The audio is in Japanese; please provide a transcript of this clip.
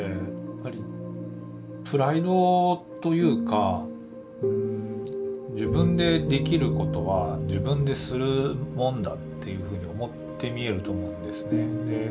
やっぱりプライドというか「自分でできることは自分でするもんだ」っていうふうに思ってみえると思うんですね。